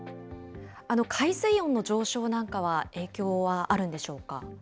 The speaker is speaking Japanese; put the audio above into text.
海水温の上昇なんかは影響はあるんでしょうか。